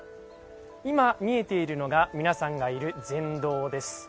今、見えているのが皆さんがいる禅堂です。